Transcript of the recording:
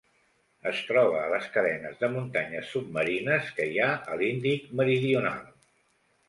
Es troba a les cadenes de muntanyes submarines que hi ha a l'Índic meridional.